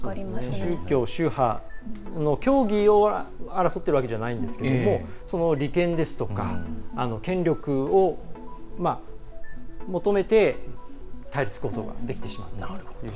宗教、宗派を争ってるわけではないんですけどその利権ですとか、権力を求めて対立構造ができてしまう。